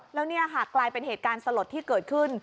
แล้วนี่ค่ะกลายเป็นเหตุการณ์สลดที่เกิดขึ้น